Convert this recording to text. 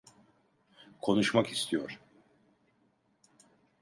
Konuşmak istiyor.